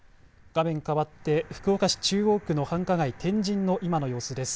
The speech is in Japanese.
画面かわって福岡市中央区の繁華街、天神の今の様子です。